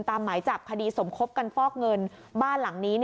หมายจับคดีสมคบกันฟอกเงินบ้านหลังนี้